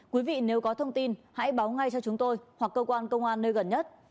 quý vị nếu có thông tin hãy báo ngay cho chúng tôi hoặc cơ quan công an nơi gần nhất